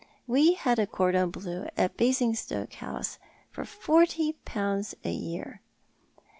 "We had a cordon bleu at Basingstoke House for forty pounds a year.